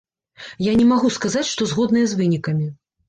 Я не магу сказаць, што згодная з вынікамі.